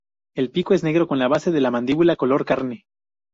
El pico es negro, con la base de la mandíbula color carne.